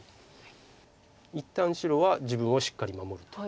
一旦白は自分をしっかり守ると。